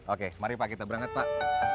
oke mari pak kita berangkat pak